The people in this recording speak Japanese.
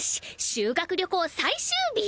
修学旅行最終日！